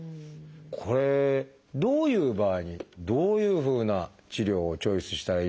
これどういう場合にどういうふうな治療をチョイスしたらいいのか。